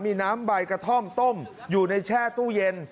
มีน้ำใบกระท่อมต้มอยู่ในแช่ตู้เย็น